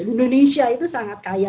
indonesia itu sangat kaya